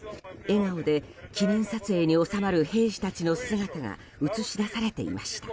笑顔で記念撮影に収まる兵士たちの姿が映し出されていました。